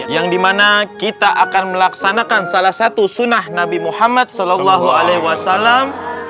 yang dimana kita akan melaksanakan salah satu sunnah nabi muhammad sallallahu alaihi wasallam